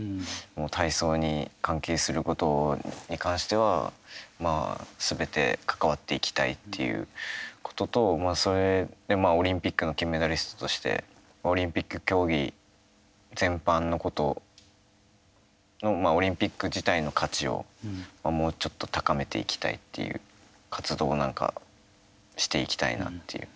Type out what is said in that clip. もう体操に関係することに関してはすべて関わっていきたいっていうこととそれでオリンピックの金メダリストとしてオリンピック競技全般のことのオリンピック自体の価値をもうちょっと高めていきたいっていう活動をなんかしていきたいなっていう。